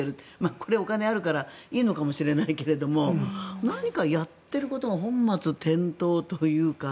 これはお金があるのからいいのかもしれないけれども何かやってることが本末転倒というか。